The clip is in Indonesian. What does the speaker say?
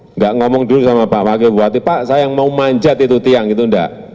enggak ngomong dulu sama pak wakil bupati pak saya yang mau manjat itu tiang itu enggak